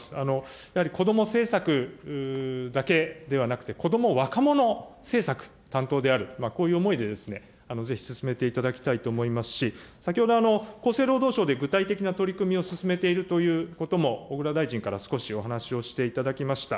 やはり国際政策だけではなくて、子ども、若者政策担当である、こういう思いでですね、ぜひ進めていただきたいと思いますし、先ほど、厚生労働省で具体的な取り組みを進めているとお話も、小倉大臣から少しお話をしていただきました。